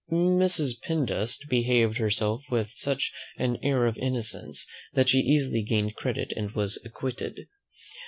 Mrs. Pindust behaved herself with such an air of innocence, that she easily gained credit, and was acquitted.